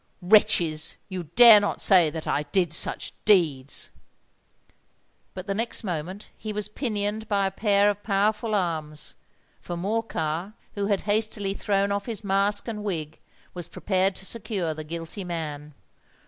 Wretches—you dare not say that I did such deeds!" But the next moment he was pinioned by a pair of powerful arms; for Morcar, who had hastily thrown off his mask and wig, was prepared to secure the guilty man.